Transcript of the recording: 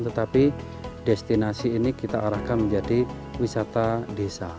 tetapi destinasi ini kita arahkan menjadi wisata desa